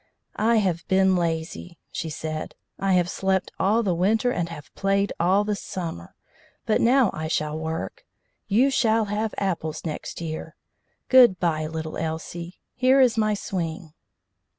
"I have been lazy," she said. "I have slept all the winter and have played all the summer, but now I shall work. You shall have apples next year. Good bye, little Elsie! Here is my swing."